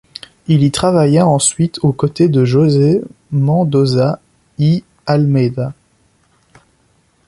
Il y travailla ensuite aux côtés de José Mendoza y Almeida.